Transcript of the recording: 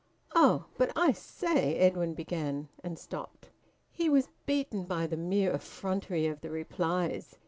"Oh but I say " Edwin began, and stopped. He was beaten by the mere effrontery of the replies.